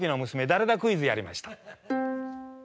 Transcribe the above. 誰だクイズやりました。